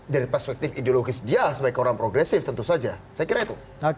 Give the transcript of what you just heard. dari perspektif ideologis dia sebagai orang progresif tentu saja saya kira itu